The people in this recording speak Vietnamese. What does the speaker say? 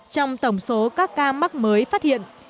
trong tổng số các ca mắc mới phát hiện